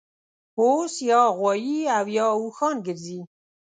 اوس یا غوایي اویا اوښان ګرځي